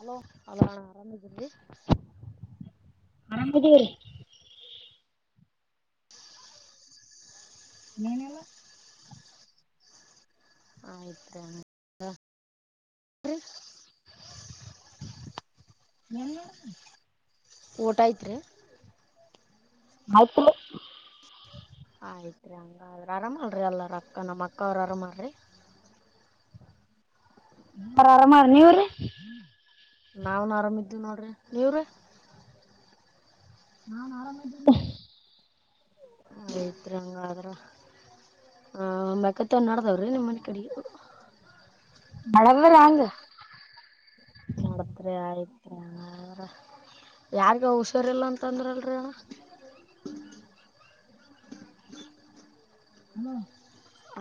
hello ಅ ನಾನಾ ಆರಾಮಜಿದಿ ಮರಾಮದರಿ ಏನಲ್ಲ ಆಯ್ತ ಏನ್ ಓಟ ಆಯತ್ೀ ಆತ ಆಯ್ತ್ರಿ ಹಂಗಾದ್ರ ಆರಾಮಲ್ರಿ ಎಲ್ಲಾರ ಅಕ್ಕ ನಮ್ಮ ಅಕ್ಕ ಅವ್ರ ಆರಾಮಲ್ರಿ ಅವರರಾಮ ಮಾಡ ನೀ ಅವ್ರ ನಾಾವನ್ ಆರಾಮಿದ್ದೇವಿ ನೋಡ್ರಿ ನೀವ್ರೀ ನಾನ್ು ಆರಾಮ ಇದ್ದಿದ್ದ ಆಯ್ತ್ರಿ ಹಂಗಾದ್ರ ಹ ಮಕತ್ತ ಒನ್ಾಡತಾವ್ರೀ ನಿಮ್ಮ ಮನೆ ಕಡೆಗೆ ಬಳವಾಂಗ ಮಾಡತ್್ರೆ ಆಯ್ತು ಯಾರಗ ಹುಷಾರಿಲ್ಲ ಅಂತಂದ್ರಲ್ರಿೀಣ್ಣ [unintelligible] ಹಲ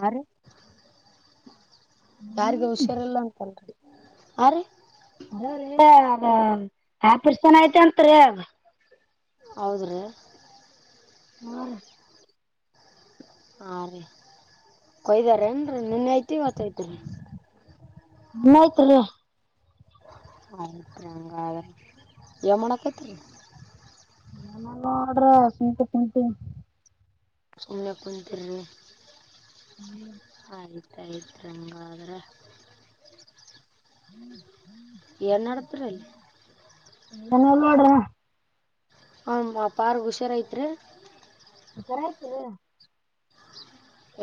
ಆ ಹಲೋ ಯಾರಿಗೆ ಹುಷಾರಿಲ್ಲ ಅಂತನ್ರಿ ಆ್ರ ಆ ಪರ್ಸನ ಆಯ್ತ ಅಂತ್ರಿ ಹೌದ್ರಿ ಅವರಿ ಹಾ ರಿ ಕೊಯ್ದಾರ ಏನ್ ರಿ ನೆನ್ನೆ ಐತಿ ಇವತ್ತ್ ಐತಿರಿ ಬಳ್ತ [inaudible] ಆಯ್ತು ರಿ ಹಂಗ ಯ ಎನ್ ಮಾಡಕತ್ ರಿ ನನ್ನ ನೋಡ್ರಾ ಸುಂಕು ಟುಂಕು ಸುಮ್ಮನೆ ಕುಂತಿರ್ರಿ ಆಯ್ತ್ ಇದ್ದಾಂಗಾದ್ರೆ ಏನು ನಡತ್ರಿ ಅಲ್ಲಿ ಎಲ್ಲ ಮಾಡಡ [inaudible] ಹಂ ಅಪಾರ್ಗ್ ಹುಷಾರ್ ಐತ್ ರಿ ಸರಯ್ತು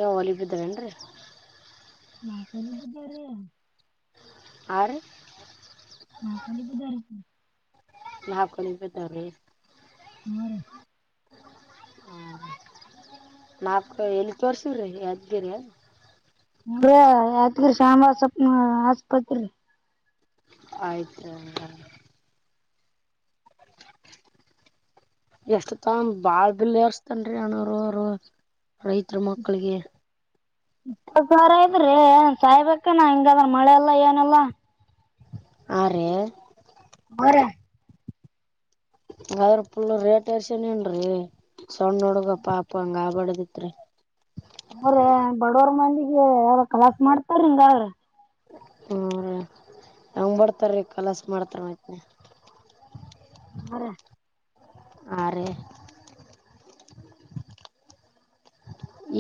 ಏ ಒಲಿಬಿದ್ದಾವನು ರೀ ನಾಕ್ ಒಲಿಬಿದ್ದಾವ್ ರಿ ಹಾ ರಿ ನಾಕ್ಒಲಿಬಿದ್ದವ್ ರಿ ನಾಕ್ಒಲಿಬಿದ್ದವ್ ರಿ ಹಾ ರಿ ಹ್ಮಾ ನಾಕ್ ಎಲ್ಲಿ ತೋರ್ಸಿವ್ರಿ ಯದಗಿರಿ ಹು ರ್ರಿ ಯತ್ಗಿರಿ ಶಾಮಾ ಅಸಪ್ ಆಸ್ಪತ್ರಿ ಆಯ್ತಾ ಎಷ್ಟು ತಾ ಬಾಳ್ ಬಿಲ್ ಎರಿಸ್ತಾನ್ ರ್ರಿ ಅನೂರುರು ಇಪತ್ಸಾವ್ರ ಆಗೆತ್ ರೀ ಸಾಯ್ಬಕ್ಕನಾ ಹಿಂಗಲ್ಲ ಮಳೆಲ್ಲ ಏನಲ್ಲಾ ಆ ರೀ ಬರ [inaudible] ಅದ್ರೆ ಪುಲ್ ರೇಟ್ ಎರ್ಸನ್ ಏನ್ರಿ ಸಣ್ಣ ನೋಡುಗ ಪಾಪ ಹಂಗ ಆಬಡದಿತ್ರಿ ಅವ್ರು ಬಡವರ ಮಂದಿಗೆ ಯಾರ್ ಕಲಾಸ್ ಮಾಡ್ತಾರ್ರಿ ಹಿಂಗ ಅದ್ರೆ ಯಂಗೆ ಬರ್ತ್ತಾರ್ರೀ ಕಲಸ್ ಮಾಡ್ತಾರೆ ಆಯ್ತನ ಹ್ ರಿ ಆ ರಿ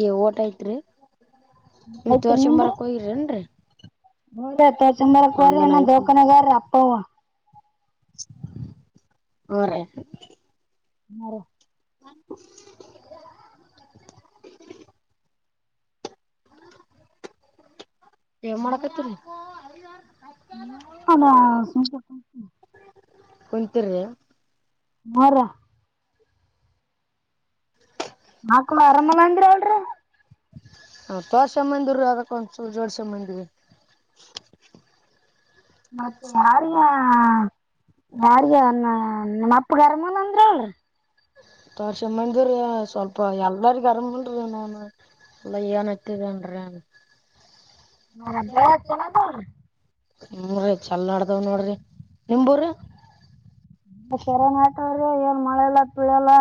ಏ ಓಟ ಐತ್ರಿ ಇಟ್ಟು ವಡ್ಸ್ಕಂಡ್ಬರಕ್ ಹೋಗಿರನ್ರರಿ ಬದ ತ ಚಾರ ಕುರೆ ಐತ್ ಧಕಾನಗಾರ [inaudible] ಅವ ರಿ ನ ರಿ [inaudible] ಎಮ್ ಮಾಡಕತ್ತರಿ [inaudible] ಕುಂತಿರಿ ಮರ್ರ ಮಕ್ಳು ಆರಾಮಿಲ್ಲ ಅಂತ್ ಅಲ್ರಿ ತೋಷ ಬಂದಿರುವುದಕ್ಕೆ ಅದಕ್ಕೆ ಒಂಚೂರು ಜೋಡಿಸಿಕೊಂಡು ಬಂದಿದ್ದೇವೆ ಮತ್ತೆ ಯಾರಯಾ ಯಾರಗಾ ನಾ ನಮ್ಮ್ ಅಪ್ಪಗ ಅರಮಿಲ್ಲ ರಿ ತೋರ್ಸ ಮಂದಿವ್ ರಿ ಸ್ವಲ್ಪ ಎಲ್ಲರಿಗು ಅರಮಿಲ್ರಿ ನನು ಇಲ್ಲ ಏನ್ [inaudible] [inaudible] ಹ್ಮುರಿ ಚಲ್ ನಡ್ದಾವ್ ನೋಡ್ರಿ ನಿಮ್ಬೂ ರೀ ತೆರೆ ನ ಆತವ್ರಿ ಏನ್ ಮಳೆ ಎಲ್ಲ ಪೀಳಲ್ಲ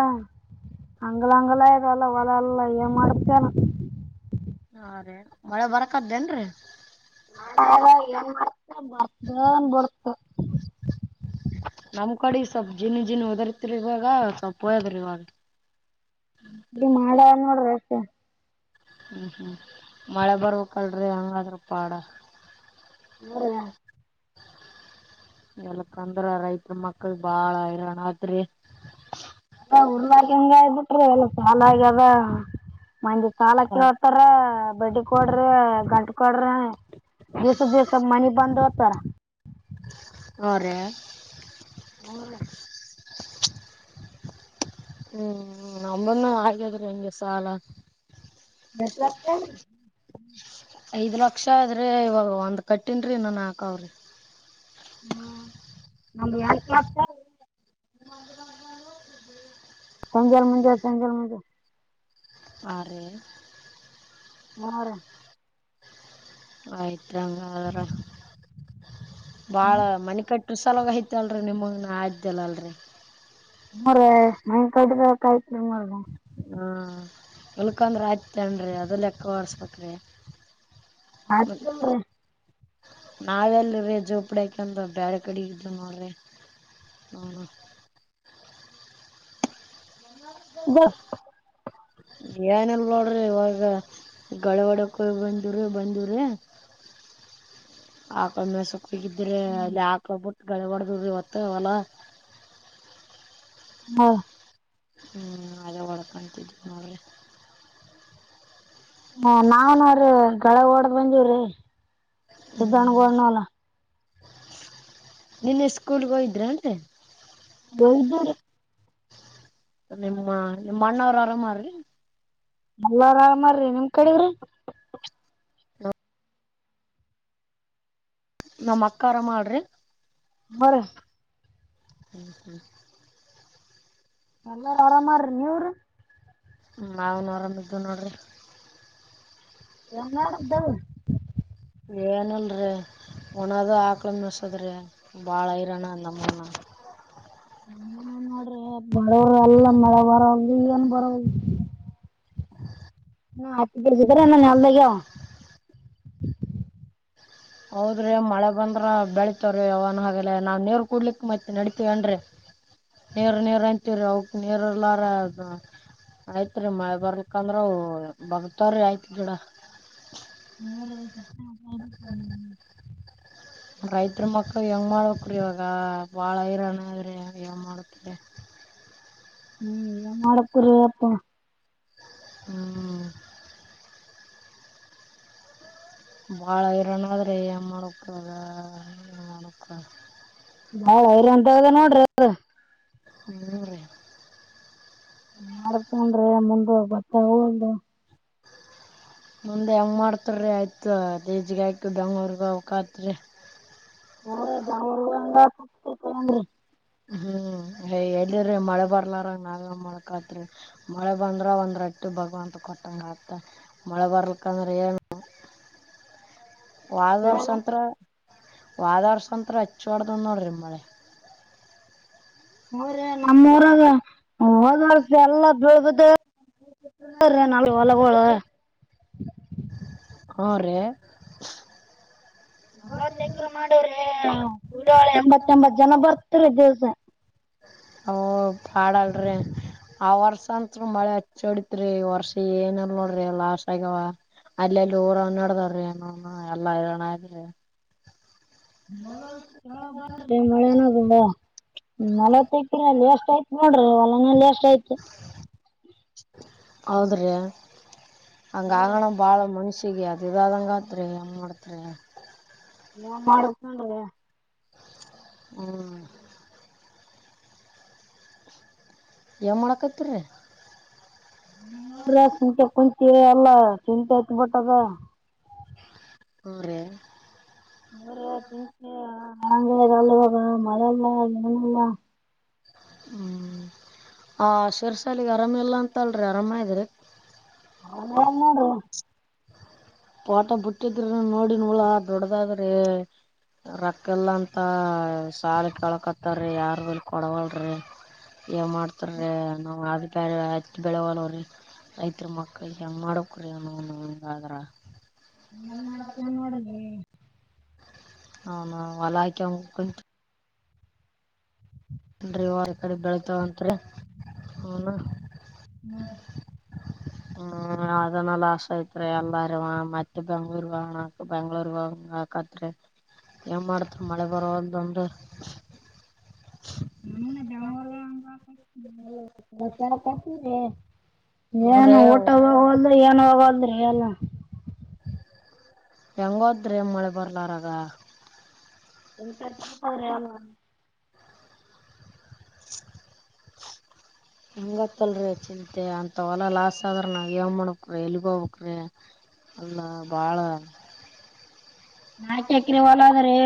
ಹಂಗ್ಲ ಅಂಗ್ಲ ಇದಲ್ಲ ಹೊಲ ಎಲ್ಲ ಏನ್ ಮಾಡ್ತೇ ಏನೋ ಮಳೆ ಬರಕದ್ದೇನ್ರೀ ಮಾಡಾಗದ ಏನ್ ಮಾಡ್ತಾ ಬಿಡುತ್ತೋ ನಮ್ ಕಡೆ ಸ್ವಲ್ಪ್ ಜೀಿನ ಜೀಿನ ಓದರ್ತಿರಿ ಇವಾಗ ಸ್ವಲ್ಪ್ ಹಯದ್ರಿ ಇವಾಗ ಬರಿ ಮಾಡ ಆಗಿದೆ ನೋಡ್ರಿ ಅಷ್ಟೆ ಹ್ಮ್ ಹ್ಮ್ ಮಳೆ ಬರ್ಬೇಕಲ್ರರಿ ಹಂಗಾದ್ರ ಪಾಡ [unintelligible] ಎ ತಂದ್ರ ರೈತ ಮಕ್ಕಳ ಬಾಳಯರುನಾತ್ರಿ ಹ ಉಡ್ವ ಹಂಗ ಇದ್ದಟ್ರಿ ಎಲ್ಲ ಸಾಲ ಆಗದ ಮಂದಿ ಸಾಲಕ್ಕೆ ಹತಾರ ಬಡ್ಡಿ ಕೊಡ್ರಿ ಗಂಟ ಕೊಡ್ರಿ ದಿಸ ದಿಸ ಮನಿಗೆ ಬಂದ ಹತಾರ [unintelligible] ಹ್ಮ ರೀ ಹ್ಮ್ ನಂಬನ್ನು ಹಾಗ್ಯಾದ್ರಿ ಹೆಂಗೆ ಸಾಲ ಎಷ್ಟು ಲಕ್ಷ ಐದ್ ಲಕ್ಷ ಆದದ್ರೀ ಇವಾಗ ಒಂದ ಕಟ್ಟೇನ್ರೀ ಇನ್ನು ನಾಲ್ಕು ಅವ್ರಿ ನಮ್ದು ಎಂಟು ಲಕ್ಷ ಸಂಂಜಲ್ ಮಂಜೆ ಸಂಜಲ್ ಮಂಜೆ ಆರಿ [unintelligible] ಆಯ್ತ ಹಂಗ್ರ ಭಾಳ ಮನೆ ಕಟ್ಟು ಸಲಾಗ ಆಯ್ತಲ್ರಿ ನಿಮಗೆ ಆ್ದಲ್ಲ ಅಲ್ರಿ ಮರೆ ಮನೆ ಕಟ್ಬೇಕಾಯ್ತು ನಿಮಗ ಹ್ಮ ಉಲ್ಕಂದ್ರ ಆಯ್ತತರೀ ಅದಲ್ಲ ಎಕ್ಕ ಹೊರ್ಸ್ಬೇಕ್ರೀ [unintelligible] ರೀ ನಾವೆಲ್ರೀ ಜೋಪಡಕಂದ ಬ್ಯಾಡ ಕಡೆ ಇದ್ದ ನೋ್ರಿ [unintelligible] [unintelligible] ಏನ್ಲ್ ಮಾಡೋಡ್ರಿ ಇವಾಗ ಗಳವಾಡಕೋಗಿ ಬಂದಿ್ರಿ ಬಂದಿವವ್ರಿ [unintelligible] ಹಗಿದ್ರೆ ಅಲ್ಲಿ ಯಾಕೋಗಬಿಟ್ಟು ಗಡಿ ಮಾಡಡ್ದಿ ಇವತ್ತ ಅವಲ ಹಾ ಹ್ಮ್ ಅದ ಹೊಳ್ಕಾಣತಿದವಿ ನೋಡ್ರಿ ಹ ನಾವ್ನ್ರೀ ಕೆಳಗೆ ಓಡ್ದ್ ಬಂದೀವ್ರಿ ಸ್ಧಣಗೋಡ್ನ ವಲ ನಿನ್ನೆ ಸ್ಕೂಲ್ಗ ಹೋಯಿದ್ರೆ ಏನ್ರೀ ಹೋಗಿದ್ದೀರಿ ನಿಮ್ಮ ನಿಮ್ಮ ಅಣ್ಣವರು ಆರಾಮ್ರೀ ಎಲ್ಲ ಆರಾಮಾರ್ರಿ ನಿಮ್ ಕಡೆಗ್ರಿ ನಮ್ಮ್ ಅಕ್ಕರ ಮಾಡ್ರಿ ಬರ ಹ್ಮ್ ಹ್ಮ್ ಎಲ್ಲ ಆರಾಮ್ರಿ ನೀವ್ ರಿ ಮಾಾವನು ಆರಾಮಿದ್ದು ನೋಡ್ರಿ ನನ್ನಡ್ದ [unintelligible] [unintelligible] ಒಣದು ಆಾಕ್ಳ ಮೆಣಸದ್ರೆ ಭಾಳ ಹೈರೋಣ ನಮ್ಮನ ನೋಡ್ರಿ ಬರವ ಅಲ್ಲ ಮಳೆ ಬರ ಈಗನ್ ಬರೋಗ ಹಾ ಹರಲ್ಲ ನಲ್ದಾಗ [inaudible] ಹೌದ್ರಿ ಮಳೆ ಬಂದ್ರ ಬೆಳಿತವ್ರೀ ಅವನ್ ಹಾಗೆಲ್ಲ ನಾವ್ ನೀರ್ ಕುಡ್ಲಿಕ್ ಮೈತ್ ನಡಿತೀವನ್ೀ ನೇರ್ ನೀೇರ್ ಅಂತೀರಿ ಅವಕ್ ನೀೇರ ಎಲ್ಲಾರ ಆಯ್ತ್ ರೀ ಮಳೆ ಬರ್ಕಂದ್ರ ಬರತವ್ರಿ ಆಯ್ತ್ ಗಿಡ ನೀವ್ರಿ ಸತ್ತ ಹ ಹ್ಮ್ ಹ್ಮ [unintelligible] ರೈತರ ಮಕ್ಕಳ ಹೆಂಗ್ ಮಾಡಕ್ರೀ ಇವಾಗ ಬಾಳ ಹರಣದ್ರಿ ಹೆಂಗ್ ಮಾಡಕ್ರೀ [inaudible] ಎ ಮಾಡಕತ್ತಿರಿ ಅಪ್ಪ ಹ್ಮ್ ಭಾಳ ಇರೋಣಾದ್ರೆ ಏನು ಮಾಡಕದ ಏನು ಮಾಡಕ ನಾವ್ಯರ ಅಂತದ ನೋಡ್ರಿ ಅದು ಮೂನ್ನೂರ ರಿ ನನ್ ಮಾಡತೊಂಡ್ರಿ ಮುಂದ ಬತ್ತ ಹೂಲ್ದು ಮುಂದೆ ಹೆಂಗೆ ಮಾಡ್ತಾರೀ ಆಯ್ತು ತಜ್ಗಾಯ್ಕು ಬೆಂಗಳೂರ್ಗ ಅವಕತ್ೀ ಹೋಾ ಹಂಗ ಹಪ್ಪ ರೂಪಾಯಿ ಅಂಗರಿ ಹಾ [inaudible] ಏ ಎಿ್ರೀ ಮಳೆ ಬರ್ಲಾರ ನಾವ ಮಕತ್ರಿ ಮಳೆ ಬಂದ್ರ ಒಂದ್ ರಟ್ಟಿ ಭಗವಂತ ಮತ್ತ ಮಳೆ ಬರಲಿಕ್ಕ ನ್ರ ವಾದವರ್ಸಂತತ್ರ ವಾದವರ್ಸತ್ರ ಹಚ್ಚ ಹೊಡ್ದ ನೋಡ್ರಿಮ್ಮಳಿ ಹಊರ ನಮ್ಮ ಊರಾಗ ಹೋದವರ್ಸ ಎಲ್ಲ ಬೀಳ್ಬುದ ನಾಳ ಒಲಬಳ [unintelligible] ಹಾ ರಿ ನಲವತ್ತ ಎಕ್ರ ಮಾಡೋ್ರ ಎಂಬತ್ತ ಎಂಬತ್ ಜನ ಬರ್ತರಿ ದಿವಸ [unintelligible] [inaudible] ಆ ವರ್ಷ ಅಂತ್ ಮಳೆ ಹಚ್ಚ ಹೊಡತ್ರಿ ವರ್ಷ ಏನಲ್ ನೋಡ್ರಿ ಲಾಸ್ ಆಗ್ಯಾವ ಅಲ್ಲ ಲೂರ ಅವನೋಡ ತರ್ರಿ ಎಲ್ಲ ಅಣ್ರ ಮಳೆನೋದ ನವತ್ತೈಿನಲ್ಲಿ ಎಷ್ಟು ಆಯ್ತು ನೋಡ್ರಿ ಹೊಲನಲ್ಲಿ ಅಷ್ಟ ಆಯ್ತು ಹೌದ್ರೀ ಹಂಗ ನೋಡ್ರಿ ಆಗೋಣ ಭಾಳ ಮನುಷ್ಯ ಹೀಿಗೆ ಅದುದುದಗೆತ್ೀ ಹೆಂಗೆ ಮಾಡ್ತ್ೀ [unintelligible] ಾನ್ ಮಾಡಕಲ್ಲ ರಿ ಹ್ಮ ಏನ್ ಮಾಡಾಕತ್ತಿರಿ ನ ಸುಂಂತ ಕುಂತ ಅಲ್ಲ ಚಂತ ಆಯತ್ ಬಟ್ಟದ [unintelligible] ಂ ಆಂಗಾ [unintelligible] [unintelligible] ಹ್ಮ್ ಆ ಶಿರ್ಸಾಲಿಗೆ ಆರಾಮಿಲ್ಲ ಅಂತಲ್ರಿ ಆರಾಮ ಇದ್ರಿ ಹಾ ನಾನ್ ಮಾಡೋುವ ಪೋಟ ಬಿುಟ್ಟಿದ್ರ ನೋಡಿ ನೂಳ ದೊಡ್ಡದಾದ್ರೆ ರೊಕ್ಕ ಎಲ್ಲ ಅಂತ ಸಾಲ ಕೆಳ್ಕತ್ತಾರೀ ಯಾರ ಬಿಲ್ ಕೊಡಗಲ್ ಏ ಮಾಡ್ತಾರ್ರೀ ನಾವು ಅದು ಬ್ಯರೆ ಹಚ್ಚ ಬೆಳೆವಲ್ಲವ್ರೀ ರೈತರ ಮಕ್ಳಿಗೆ ಹೆಂಗೆ ಮಾಡೋ [unintelligible] ಏನ್ ಮಾಡತವ ನೋಡ ಹನ ಅಲಗೆ [unintelligible] ಡ್ರೈವರ್ ಗಳ ಬೆಳಿತವಂತ್ರಿ ಹೂಂ ಹಾ ಅದನ್ನ ಲ ಆಾಸ ಆಐತ್ ಎಲ್ಲಾರು ಮತ್ತೆ ಬೆಂಗಳೂರು ಹೋಗಣಕ್ ಬೆಂಗಳೂರು ಹೋಗಕತ್ರಿ ಏನ್ ಮಾಡ್ತ್ರ ಮಳೆ ಬರುವೋಂದ ನಮ ಬೆಂಗಳೂರು ಹಂಗ [unintelligible] ಹ್ಮ್ ಏನು ಊಟ ರೀ ಹೋಗಲ್ ಏನ ಹೋಗಲ್ದ್ರಿ ಎಲ್ಲ ಹೆಂಗೋದ್ರಿ ಮಳೆ ಬರ್ಲಾರಗ [inaudible] [inaudible] ಹೆಂಗತ್ತಲ್ರರಿ ಚಿಂತೆ ಅಂತ ಹೊಲ ಲಾಸ್ ಆದ್ರ ನಾ ಏ ಮಾಡಕ್ ಎಲ್ಲಿಗ ಹೋಗಬಕ್ ರಿ ಅಲ್ಲ ಬಾಳ ನಾಲ್ಕು ಎಕರೆ ಹೊಲ ಇದೆ ರಿ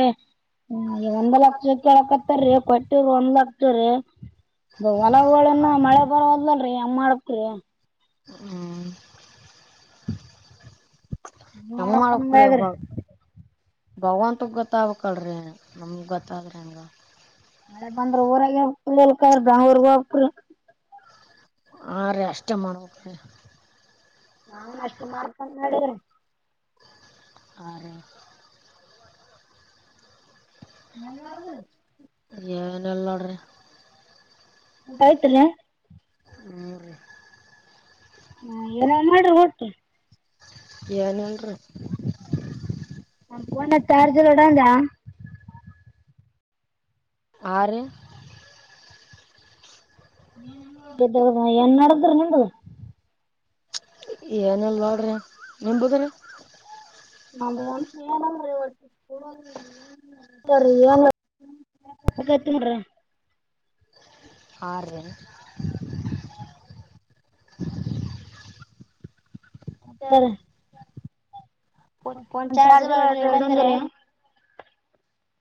ಹ್ಮ ಒಂದ್ ಲಕ್ಷ ಕೇಳಕತ್ತರಿೀ ಕೊಟ್ಟ ಒಂದ್ ಲಕ್ಷ ಹೊಲಗನ್ನ ಮಳೆ ಬರವದಲ್ರಿ ಅಮ್ಮ ಮಾಡಕ್ ಹ್ಮ್ ಹೆಂಗ್ ಮಾಡ್ಬೇಕ್ [unintelligible] ಅನ್ನಂಗಾಗ್ಯದ್ರಿ ಭಗವಂತ ಗೊತ್ತಬಕ್ಳ್ರಿ ನಮಗ್ ಗತ್ತಾದ್ರಿ ಹಂಗ ಮಳೆ ಬಂದ್ರ ಊರಾಗ ಬೆಂಗಳೂರು ಹೋಗ್ಬೇಕ್ರಿ ಆ ಅಷ್ಟೇ ಮಾಡಬೇಕು ನಾನ್ ಅಷ್ಟು ಮಾಡ್ಕೊಂಡು ಮಾಡಡಿದ್ರ ಆ ನಲ್ಲ ಮಾಡಡಂದು ಏನ್ ಇಲ್ ನೋಡ್ರಿ ಊಟ ಆಯ್ತ್ರಿ ಹೂ ರಿ ಹಾ ಏನೋ ಮಾಡ್ರಿ ಊಟ ಏನು ಇಲ್ರಿ ನನ್ ಫೋನ್ ನ ಚಾರ್ಜ್ ಇಲ್ಲ ಅಣ್ಚಾ ಆ ರಿ ಏನ್ ನಡದ್ರ [unintelligible] ಏನಲ್ ನೋಡ್ರಿನಿ ಬದ್ರ [unintelligible] ಹ್ಮ ಆ [inaudible] [unintelligible] ಫೋನ್ ಚಾರ್ಜ್ ಇಲ್ಲ ಇಡಂದಿರಿ [unintelligible]